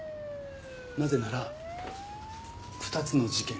なぜなら２つの事件